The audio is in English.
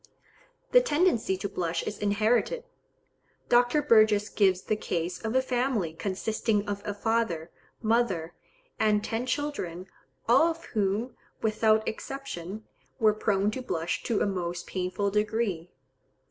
The tendency to blush is inherited. Dr. Burgess gives the case of a family consisting of a father, mother, and ten children, all of whom, without exception, were prone to blush to a most painful degree.